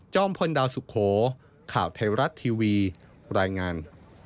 พลดาวสุโขข่าวไทยรัฐทีวีรายงาน